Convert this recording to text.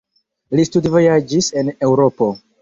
Li studvojaĝis en Eŭropo.